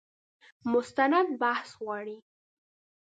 مستند بحث غواړي.